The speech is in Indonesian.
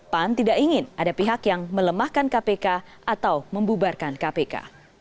pan tidak ingin ada pihak yang melemahkan kpk atau membubarkan kpk